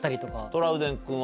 トラウデン君は？